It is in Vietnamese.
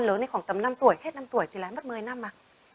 con lớn đến khoảng tầm năm tuổi hết năm tuổi thì lại mất một mươi năm mà